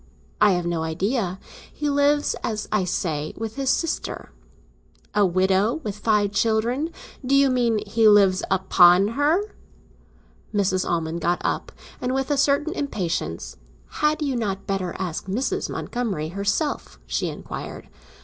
"I have no idea. He lives, as I say, with his sister." "A widow, with five children? Do you mean he lives upon her?" Mrs. Almond got up, and with a certain impatience: "Had you not better ask Mrs. Montgomery herself?" she inquired.